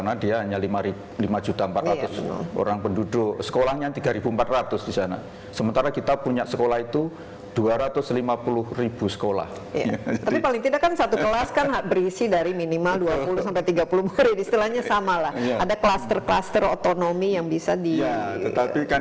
saat saat yang luiza belangrijk banyak sekarang yang disebut perubahan zoals yang membership dalam kursus warisan jadi scholarship dan meredakan